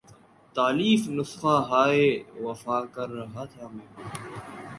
تالیف نسخہ ہائے وفا کر رہا تھا میں